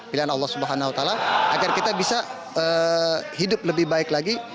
pilihan allah subhanahu wa ta'ala agar kita bisa hidup lebih baik lagi